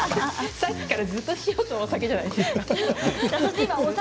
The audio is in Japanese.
さっきからずっと塩とお酒じゃないですか。